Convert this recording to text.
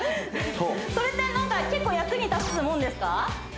それってなんか結構役に立つもんですか？